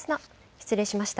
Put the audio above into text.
失礼しました。